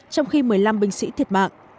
trong khi một mươi năm binh sĩ thiệt mạng